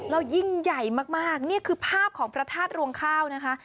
แล้วยิ่งใหญ่มากนี่คือภาพของพระธาตุรวงข้าวนะคะ